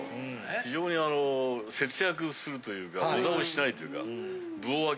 非常に節約するというかムダをしないというか。